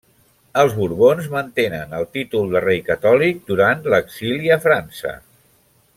Els Borbons mantenen el títol de rei catòlic durant l'exili a França.